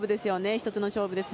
１つの勝負です。